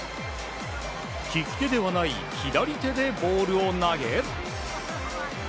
利き手ではない左手でボールを投げ。